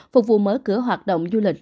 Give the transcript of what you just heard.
phục vụ mở cửa hoạt động du lịch